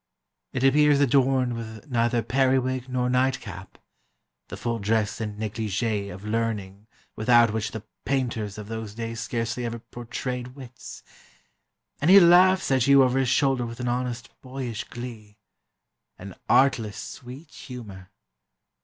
It appears adorned with neither periwig nor nightcap (the full dress and négligée of learning without which the painters of those days scarcely ever pourtrayed wits), and he laughs at you over his shoulder with an honest boyish glee an artless sweet humour.